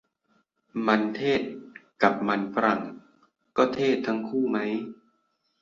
มันเทศ กับมันฝรั่ง ก็เทศทั้งคู่ไหม